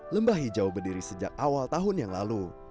lembah hijau berdiri sejak awal tahun yang lalu